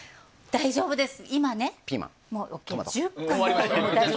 大丈夫です。